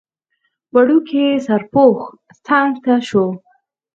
وړوکی سرپوښ څنګ ته شو.